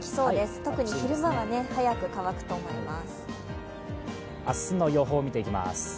特に昼間は早く乾くと思います。